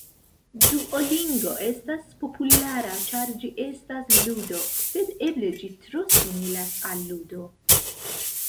Duolingo estas populara ĉar ĝi estas ludo, sed eble ĝi tro similas al ludo.